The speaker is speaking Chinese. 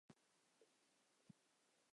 担任江苏宜兴县知县。